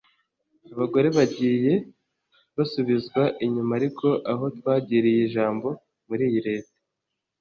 Abagore bagiye basubizwa inyuma ariko aho twagiriye ijambo muri iyi Leta